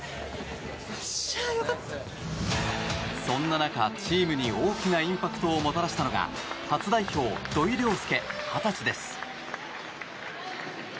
そんな中、チームに大きなインパクトをもたらしたのが初代表、土井陵輔。二十歳です。